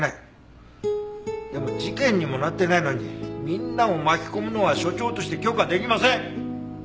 でも事件にもなってないのにみんなを巻き込むのは所長として許可出来ません！